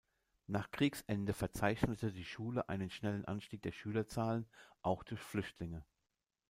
Nach Kriegsende verzeichnete die Schule einen schnellen Anstieg der Schülerzahlen, auch durch Flüchtlinge.